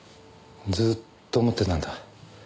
ずっと思ってたんだ。